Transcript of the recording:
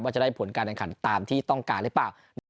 จะได้ผลการแข่งขันตามที่ต้องการหรือเปล่า